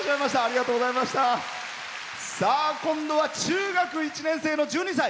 今度は中学１年生の１２歳。